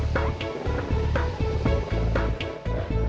thank you udah mati muntut